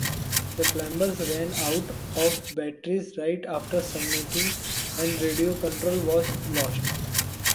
The climbers ran out of batteries right after summiting and radio contact was lost.